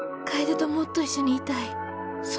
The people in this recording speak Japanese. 楓ともっと一緒にいたい。